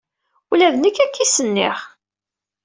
Ula d nekk akka i as-nniɣ.